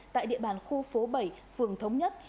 tại địa bàn khu phố bảy phường thống nhất